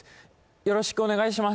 よろしくお願いします